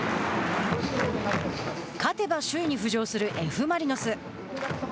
勝てば首位に浮上するＦ・マリノス。